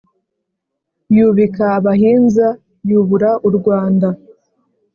yubika abahinza yubura u rwanda